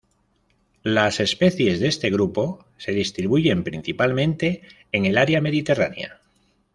Las especies de este grupo se distribuyen principalmente en el área mediterránea.